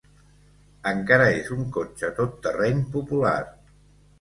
Encara és un cotxe tot terreny popular.